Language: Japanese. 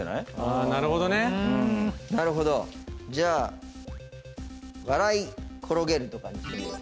あなるほどねなるほどじゃあ笑い転げるとかにしてみる？